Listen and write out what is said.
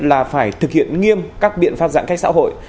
là phải thực hiện nghiêm các biện pháp giãn cách xã hội